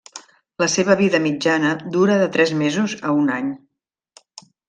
La seva vida mitjana dura de tres mesos a un any.